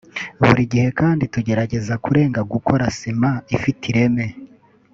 Buri gihe kandi tugerageza kurenga gukora sima ifite ireme